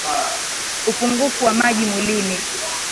Upungufu wa maji mwilini